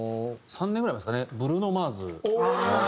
３年ぐらい前ですかねブルーノ・マーズ。